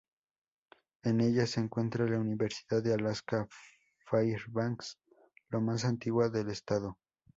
En ella se encuentra la Universidad de Alaska Fairbanks, la más antigua del estado.